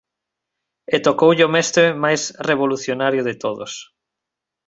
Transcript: E tocoulle o mestre máis revolucionario de todos.